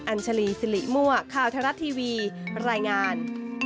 อัญชลีสิริมัวข้าวทะลัดทีวีรายงาน